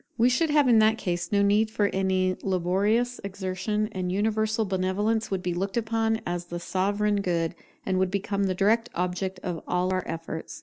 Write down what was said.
We should have in that case no need for any laborious exertion; and universal benevolence would be looked upon as the sovereign good, and would become the direct object of all our efforts.